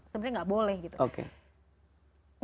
sebenernya gak boleh gitu